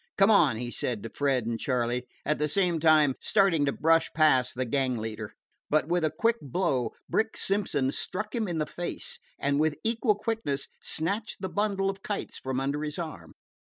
"Come on," he said to Fred and Charley, at the same time starting to brush past the gang leader. But with a quick blow Brick Simpson struck him in the face, and with equal quickness snatched the bundle of kites from under his arm.